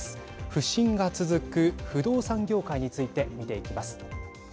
不振が続く不動産業界について見ていきます。